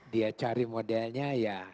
dia cari modelnya